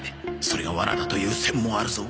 それがワナだという線もあるぞ